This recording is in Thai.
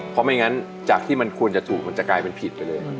เพราะไม่งั้นจากที่มันควรจะถูกมันจะกลายเป็นผิดไปเลย